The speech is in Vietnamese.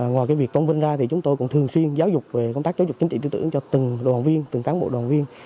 ngoài việc tôn vinh ra thì chúng tôi cũng thường xuyên giáo dục về công tác giáo dục chính trị tư tưởng cho từng đoàn viên từng cán bộ đoàn viên